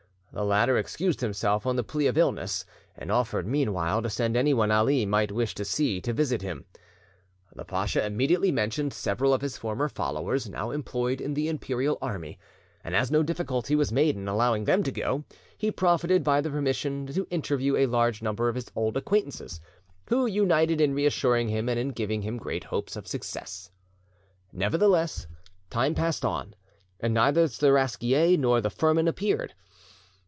The latter excused himself on the plea of illness, and offered meanwhile to send anyone Ali might wish to see, to visit him: The pacha immediately mentioned several of his former followers, now employed in the Imperial army, and as no difficulty was made in allowing them to go, he profited by the permission to interview a large number of his old acquaintances, who united in reassuring him and in giving him great hopes of success. Nevertheless, time passed on, and neither the Seraskier nor the firman appeared.